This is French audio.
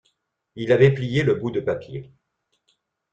Il avait plié le bout de papier.